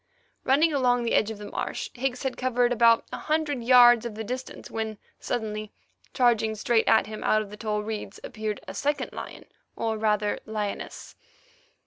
Running along the edge of the marsh, Higgs had covered about a hundred yards of the distance, when suddenly, charging straight at him out of the tall reeds, appeared a second lion, or rather lioness.